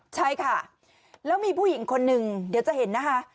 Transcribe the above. ใช่ค่ะแล้วมีผู้หญิงคนหนึ่งเดี๋ยวจะเห็นนะคะ